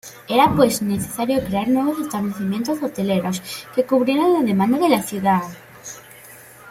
Era pues necesario crear nuevos establecimientos hoteleros que cubrieran la demanda de la ciudad.